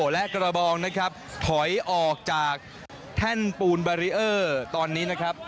และกระบองนะครับถอยออกจากแท่นปูนบารีเออร์ตอนนี้นะครับ